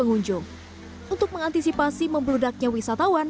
untuk mengantisipasi membludaknya wisatawan